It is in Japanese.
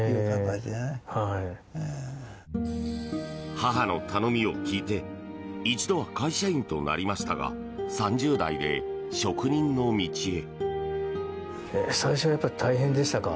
母の頼みを聞いて一度は会社員となりましたが３０代で職人の道へ。